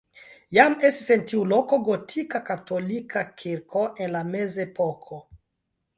Jam estis en tiu loko gotika katolika kirko en la mezepoko.